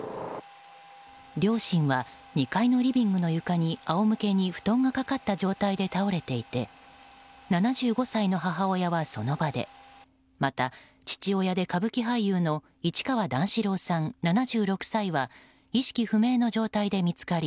両親は２階のリビングの床に仰向けに布団がかかった状態で倒れていて７５歳の母親はその場でまた、父親で歌舞伎俳優の市川段四郎さん、７６歳は意識不明の状態で見つかり